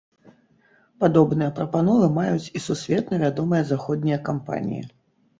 Падобныя прапановы маюць і сусветна вядомыя заходнія кампаніі.